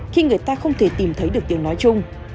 khi người ta không thể tìm thấy được tiếng nói chung